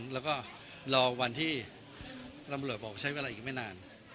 แล้วก็รอวันที่ตำรวจบอกใช้เวลาอีกไม่นาน